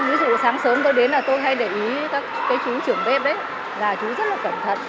ví dụ sáng sớm tôi đến là tôi hay để ý các cái chú trưởng bếp đấy là chú rất là cẩn thận